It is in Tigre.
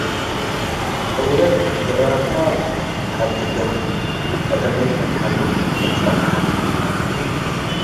ዑረት ግራከ ትሐድገ ቀዴሜከ ተሐልፍ ከትጸነሐከ።